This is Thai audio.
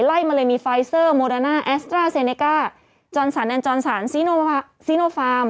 ไข้มาเลยมีไฟเซอร์โมดาน่าแอสตาเซเนกกาจรสารแนนส์จรสารซีโนไฟม์